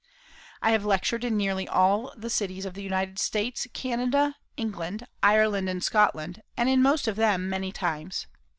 I have lectured in nearly all the cities of the United States, Canada, England, Ireland and Scotland, and in most of them many times.